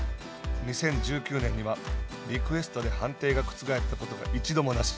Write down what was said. ２０１９年には、リクエストで判定が覆ったことが一度もなし。